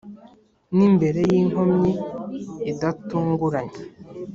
N’imbere y’inkomyi idatunguranye